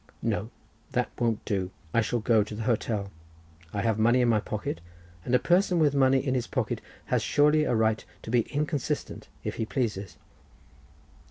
"No, that won't do—I shall go to the hotel; I have money in my pocket, and a person with money in his pocket has surely a right to be inconsistent if he pleases."